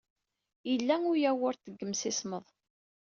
Yella uyawurt deg yimsismeḍ.